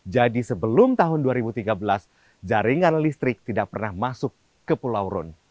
jadi sebelum tahun dua ribu tiga belas jaringan listrik tidak pernah masuk ke pulau rune